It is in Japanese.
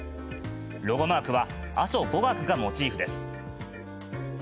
ロゴマークは、阿蘇五岳がモチーフです。